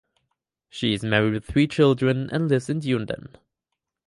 She is married with three children and lives in Dunedin.